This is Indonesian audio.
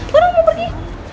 baru mau pergi